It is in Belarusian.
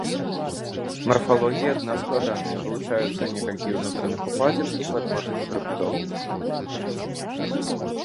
Марфалогія дна складаная, вылучаюцца некалькі ўнутраных упадзін і падводных хрыбтоў.